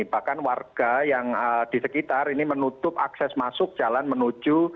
bahkan warga yang di sekitar ini menutup akses masuk jalan menuju